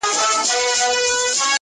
نه په لاس كي وو اثر د خياطانو!!